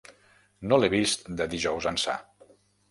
No l'he vist de dijous ençà.